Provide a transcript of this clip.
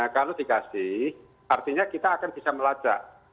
jadi artinya kita akan bisa melacak